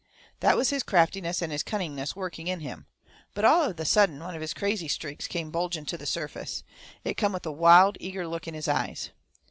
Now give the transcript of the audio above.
That was his craftiness and his cunningness working in him. But all of a sudden one of his crazy streaks come bulging to the surface. It come with a wild, eager look in his eyes.